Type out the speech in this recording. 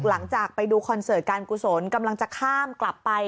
หลังจากไปดูคอนเสิร์ตการกุศลกำลังจะข้ามกลับไป